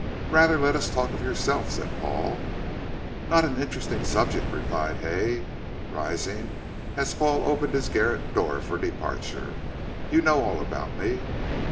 "Rather let us talk of yourself," said Paul. "Not an interesting subject," replied Hay, rising as Paul opened his garret door for departure, "you know all about me."